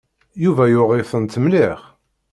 Yuba yuɣ-itent mliḥ.